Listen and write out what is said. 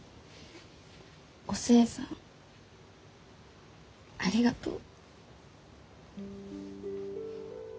お寿恵さんありがとう。